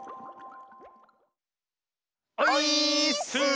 オイーッス！